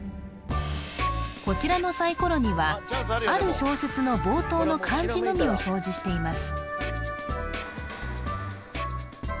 こちらのサイコロにはある小説の冒頭の漢字のみを表示しています